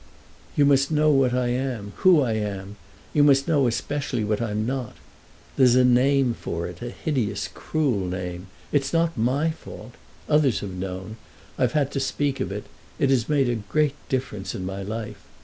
"You must know what I am—who I am; you must know especially what I'm not! There's a name for it, a hideous, cruel name. It's not my fault! Others have known, I've had to speak of it—it has made a great difference in my life.